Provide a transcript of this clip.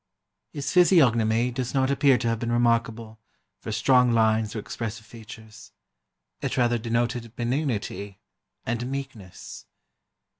] "His physiognomy does not appear to have been remarkable for strong lines or expressive features, it rather denoted benignity and meekness....